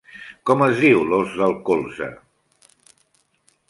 Com es diu l'os del colze?